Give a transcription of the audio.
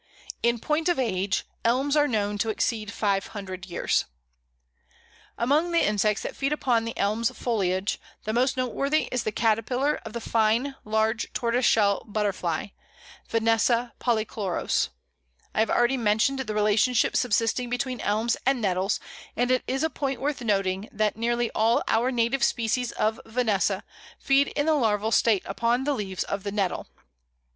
In point of age Elms are known to exceed five hundred years. [Illustration: Common Elm.] Among the insects that feed upon the Elm's foliage, the most noteworthy is the caterpillar of the fine Large Tortoiseshell Butterfly (Vanessa polychloros). I have already mentioned the relationship subsisting between Elms and Nettles, and it is a point worth noting that nearly all our native species of Vanessa feed in the larval state upon the leaves of the Nettle.